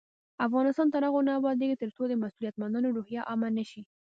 افغانستان تر هغو نه ابادیږي، ترڅو د مسؤلیت منلو روحیه عامه نشي.